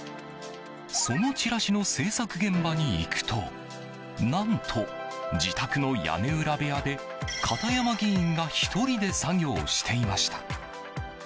そのチラシの制作現場に行くと何と、自宅の屋根裏部屋で片山議員が１人で作業していました。